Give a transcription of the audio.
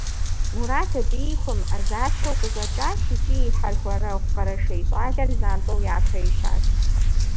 Мурат абыи хуэмыӏэзащэу къыщӏэкӏащ икӏи и хьэрхуэрэгъу къэрэшей щӏалэр занщӏэу япэ ищащ.